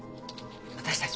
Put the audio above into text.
私たち